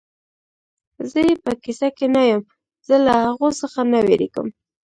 زه یې په کیسه کې نه یم، زه له هغو څخه نه وېرېږم.